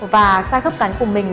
và sai khớp cắn của mình